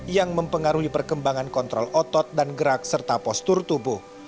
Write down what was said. yang mempengaruhi perkembangan kontrol otot dan gerak serta postur tubuh